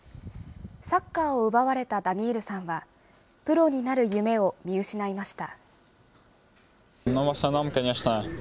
サッカーを奪われたダニールさんは、プロになる夢を見失いました。